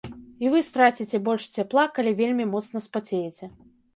І вы страціце больш цяпла, калі вельмі моцна спацееце.